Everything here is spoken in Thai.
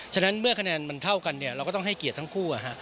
ฉะนั้นเมื่อคะแนนมันเท่ากันเราก็ต้องให้เกียรติทั้งคู่